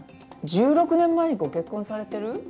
１６年前にご結婚されてる？